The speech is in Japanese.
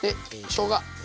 しょうが！